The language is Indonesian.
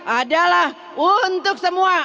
adalah untuk semua